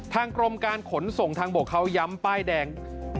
ทางกรมการขนส่งทางบกเขาย้ำป้ายแดง